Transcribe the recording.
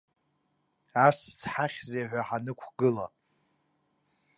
Ас зҳахьзи ҳәа ҳанықәгыла.